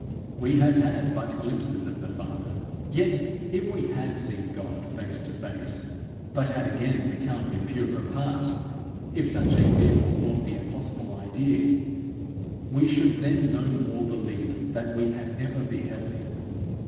we have had but glimpses of the Father. Yet, if we had seen God face to face, but had again become impure of heart if such a fearful thought be a possible idea we should then no more believe that we had ever beheld him.